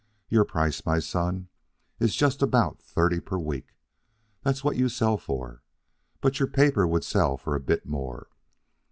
Your price, my son, is just about thirty per week. That's what you sell for. But your paper would sell for a bit more.